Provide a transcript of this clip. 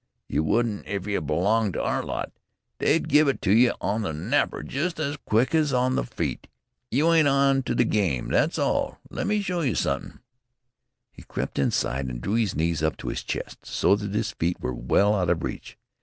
"You wouldn't if you belonged to our lot. They'd give it to you on the napper just as quick as 'it you on the feet. You ain't on to the game, that's all. Let me show you suthin'." He crept inside and drew his knees up to his chest so that his feet were well out of reach.